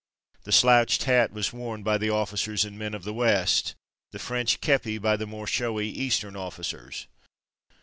The slouched hat was worn by the officers and men of the West, the French kepi by the more showy Eastern officers.